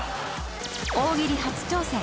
［大喜利初挑戦！